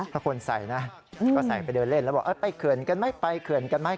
ถ้าคนใส่นะก็ใส่ไปเดินเล่นแล้วบอกไปเขื่อนกันไหมไปเขื่อนกันไหม